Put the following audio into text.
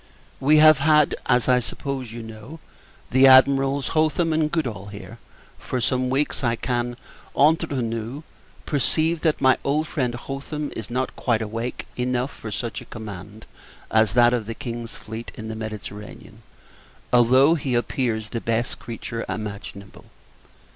We have had, as I suppose you know, the Admirals Hotham and Goodall here, for some weeks. I can, entre nous, perceive that my old friend Hotham is not quite awake enough for such a command as that of the King's fleet in the Mediterranean, although he appears the best creature imaginable.